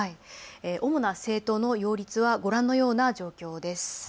主な政党の擁立はご覧のような状況です。